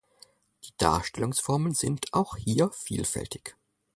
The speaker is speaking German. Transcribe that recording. Die Darstellungsformen sind auch hier vielfältig.